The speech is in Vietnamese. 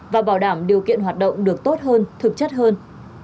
và bảo đảm điều kiện hoạt động được tốt hơn thực chất hơn